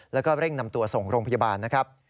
แล้วก็เร่งนำตัวส่งโรงพยาบาลนะครับ